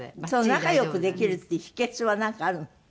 仲良くできるっていう秘訣はなんかあるの？